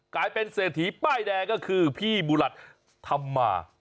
กลายเป็นเศรษฐีป้ายแดงก็คือพี่บุหลัดธรรมา